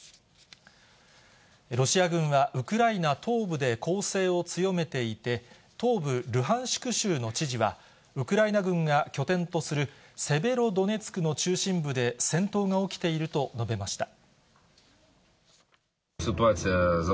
ロシア軍は、ウクライナ東部で攻勢を強めていて、東部ルハンシク州の知事は、ウクライナ軍が拠点とするセベロドネツクの中心部で戦闘が起きていると述べました。